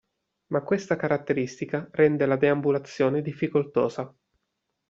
Ma questa caratteristica rende la deambulazione difficoltosa.